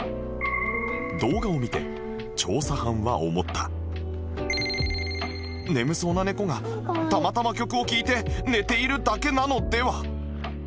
動画を見て眠そうな猫がたまたま曲を聴いて寝ているだけなのでは？